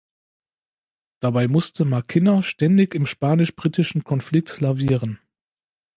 Dabei musste Maquinna ständig im spanisch-britischen Konflikt lavieren.